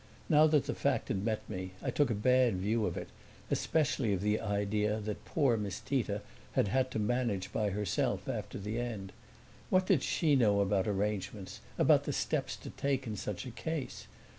Now that the fact had met me I took a bad view of it, especially of the idea that poor Miss Tita had had to manage by herself after the end. What did she know about arrangements, about the steps to take in such a case?